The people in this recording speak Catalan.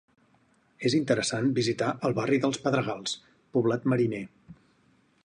És interessant visitar el barri dels Pedregals, poblat mariner.